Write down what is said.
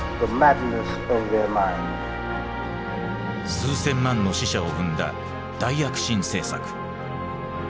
数千万の死者を生んだ「大躍進政策」。